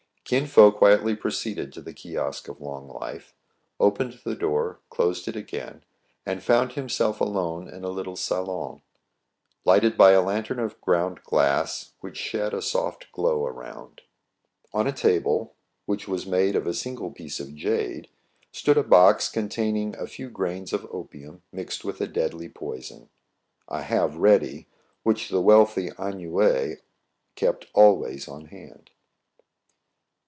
Kin Fo quietly proceeded to the kiosk of Long WAYS AND CUSTOMS OF THE CHINESE. 8 1 Life, opened the door, closed it again, and found himself alone in a little salon, lighted by a lantern of ground glass, which shed a soft glow around. On a table, which was made of a single piece of jade, stood a box containing a few grains of opium, mixed with a deadly poison, — a "have ready " which the wealthy ennuyé kept always on hand.